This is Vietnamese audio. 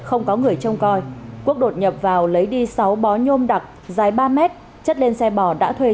không có người trông coi quốc đột nhập vào lấy đi sáu bó nhôm đặc dài ba mét chất lên xe bò đã thuê